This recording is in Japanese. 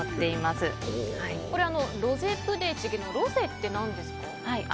ロゼプデチゲのロゼって何ですか？